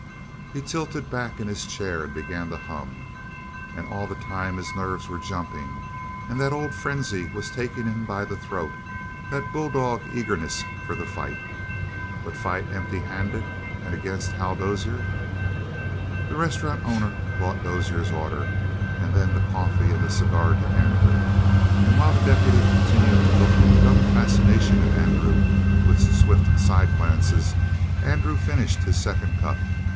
He tilted back in his chair and began to hum. And all the time his nerves were jumping, and that old frenzy was taking him by the throat, that bulldog eagerness for the fight. But fight emptyhanded and against Hal Dozier? The restaurant owner brought Dozier's order, and then the coffee and the cigar to Andrew, and while the deputy continued to look with dumb fascination at Andrew with swift side glances, Andrew finished his second cup.